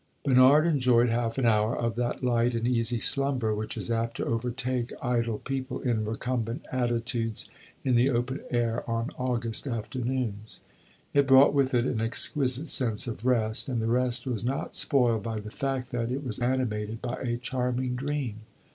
Bernard enjoyed half an hour of that light and easy slumber which is apt to overtake idle people in recumbent attitudes in the open air on August afternoons. It brought with it an exquisite sense of rest, and the rest was not spoiled by the fact that it was animated by a charming dream.